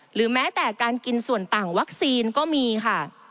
หรือแม้แต่การกินส่วนต่างวัคซีนก็มีค่ะ